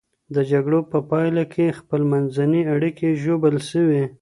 د جګړو په پایله کي خپلمنځي اړيکې ژوبل سوې.